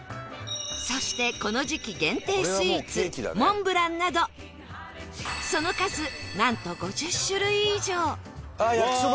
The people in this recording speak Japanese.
そしてこの時期限定スイーツモンブランなどその数なんとあっ焼きそば！